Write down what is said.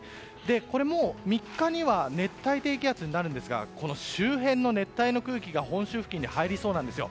これも３日には熱帯低気圧になるんですが周辺の熱帯の空気が本州付近に入りそうなんですよ。